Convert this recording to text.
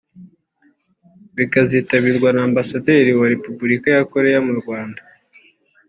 bikazitabirwa n’Ambasaderi wa Repubulika ya Koreya mu Rwanda